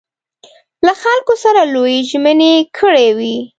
له خلکو سره لویې ژمنې کړې وې.